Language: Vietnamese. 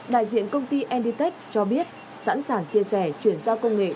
đại diện công ty anditech cho biết sẵn sàng chia sẻ chuyển giao công nghệ